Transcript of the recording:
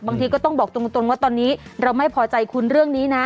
บางทีก็ต้องบอกตรงว่าตอนนี้เราไม่พอใจคุณเรื่องนี้นะ